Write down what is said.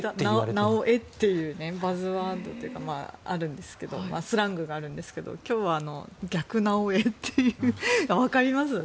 「なおエ」というバズワードというかスラングがあるんですけど今日は逆「なおエ」っていうわかります？